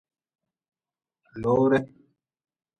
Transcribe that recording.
Lore.